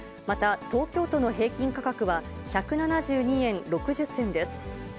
また東京都の平均価格は、１７２円６０銭です。